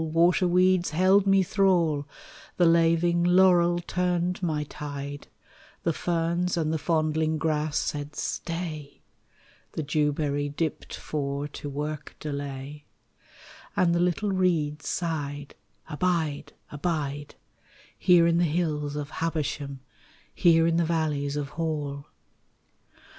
waterweeds held me thrall, The laving laurel turned my tide, The ferns and the fondling grass said Stay, The dewberry dipped for to work delay, And the little reeds sighed Abide, abide, Here in the hills of Habersham, Here in the valleys of Hall.